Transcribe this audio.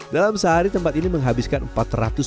dalam sehari tempat ini menghabiskan empat ratus kg tepung tapioca